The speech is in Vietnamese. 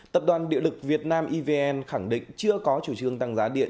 tập đoàn điện lực việt nam evn khẳng định chưa có chủ trương tăng giá điện